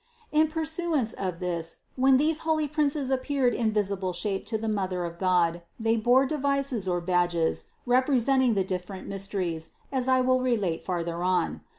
208. In pursuance of this, when these holy princes appeared in visible shape to the Mother of God, they bore devices or badges representing the different mys teries, as I will relate farther on.